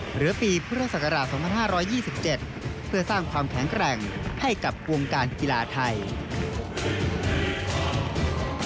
หรือปีพุทธศักราช๒๕๒๗เพื่อสร้างความแข็งแกร่งให้กับวงการกีฬาไทย